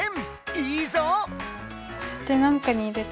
いいぞ！